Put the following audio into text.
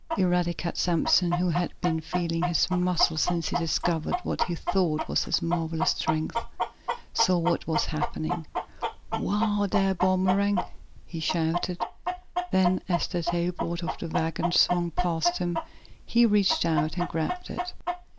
Eradicate Sampson, who had been feeling his muscle since he discovered what he thought was his marvelous strength, saw what was happening. "Whoa, dar, Boomerang!" he shouted. Then, as the tailboard of the wagon swung past him, he reached out and grabbed it.